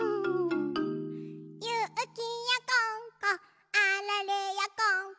「ゆきやこんこあられやこんこ」